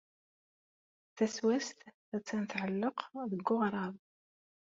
Taswast attan tɛelleq deg weɣrab.